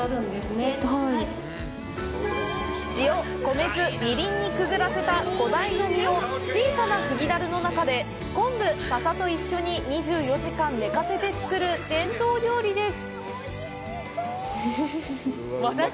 塩、米酢、みりんにくぐらせた小鯛の身を、小さな杉樽の中で昆布、ササと一緒に２４時間寝かせて作る伝統料理です。